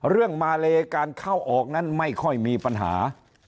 เรื่องมาเลการเข้าออกนั้นไม่ค่อยมีปัญหา